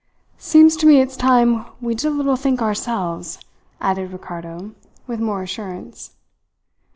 "Seems to me it's time we did a little think ourselves," added Ricardo, with more assurance.